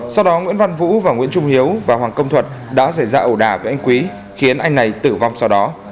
sau đó nguyễn văn vũ và nguyễn trung hiếu và hoàng công thuật đã xảy ra ẩu đà với anh quý khiến anh này tử vong sau đó